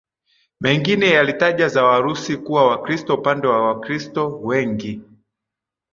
mengine yalitaja za Warusi kuwa Wakristo Upande wa Wakristo wengi